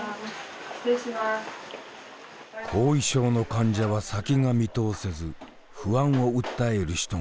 後遺症の患者は先が見通せず不安を訴える人が多い。